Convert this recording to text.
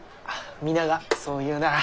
皆がそう言うなら。